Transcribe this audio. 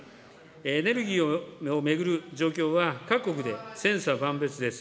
エネルギーを巡る状況は、各国で千差万別です。